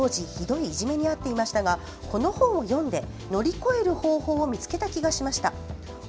私も当時ひどいいじめに遭っていましたがこの本を読んで乗り越える方法を見つけた気がしました。